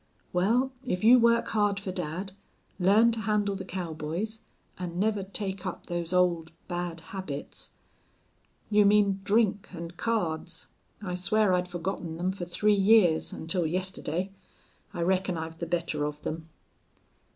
"Well, if you work hard for dad, learn to handle the cowboys, and never take up those old bad habits " "You mean drink and cards? I swear I'd forgotten them for three years until yesterday. I reckon I've the better of them."